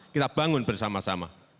kita bangun bersama sama